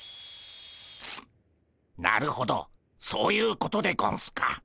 なるほどそういうことでゴンスか。